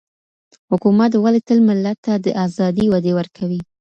حکومت ولي تل ملت ته د آزادۍ وعدې ورکوي؟